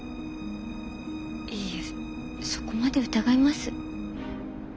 いやそこまで疑います？